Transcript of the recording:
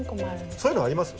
そういうのあります？